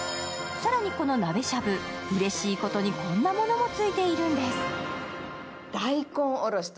更にこの鍋しゃぶ、うれしいことにこんなものまで付いているんです。